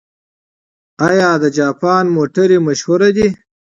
آیا د جاپان موټرې مشهورې دي؟